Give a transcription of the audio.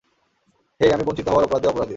হেই, আমি বঞ্চিত হবার অপরাধে অপরাধী!